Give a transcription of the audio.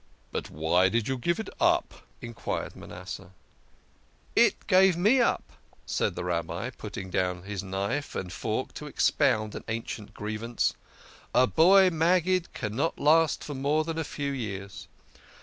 " But why did you give it up ?" enquired Manasseh. " It gave me up," said the Rabbi, putting down his knife and fork to expound an ancient grievance. " A boy Maggid cannot last more than a few years.